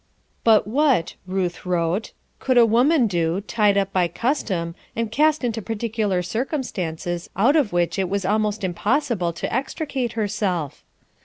But what, Ruth wrote, could a woman do, tied up by custom, and cast into particular circumstances out of which it was almost impossible to extricate herself?